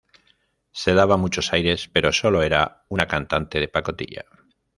Se daba muchos aires pero solo era una cantante de pacotilla